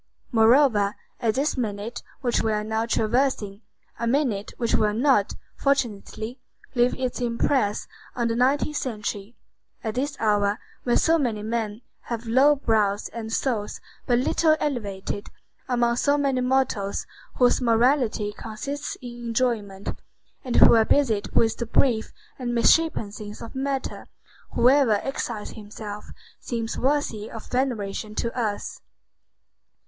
Moreover, at this minute which we are now traversing,—a minute which will not, fortunately, leave its impress on the nineteenth century,—at this hour, when so many men have low brows and souls but little elevated, among so many mortals whose morality consists in enjoyment, and who are busied with the brief and misshapen things of matter, whoever exiles himself seems worthy of veneration to us.